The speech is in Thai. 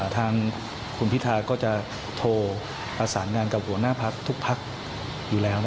ทางคุณพิทาก็จะโทรประสานงานกับหัวหน้าพักทุกพักอยู่แล้ว